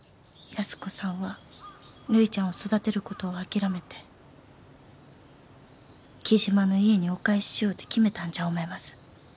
安子さんはるいちゃんを育てることを諦めて雉真の家にお返ししようと決めたんじゃ思います。